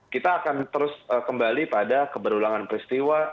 kita akan terus kembali pada keberulangan peristiwa